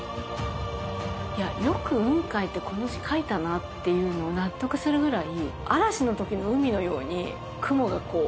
いやよく雲海ってこの字書いたなっていうのを納得するぐらい。